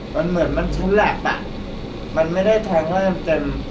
มันเหมือนมันฉลับอ่ะมันไม่ได้ทางเลื่อนเต็ม